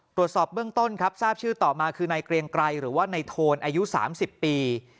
ตรวจสอบเบื้องต้นทราบชื่อในเกลียงไกรหรือในโธนอายุ๓๐ปี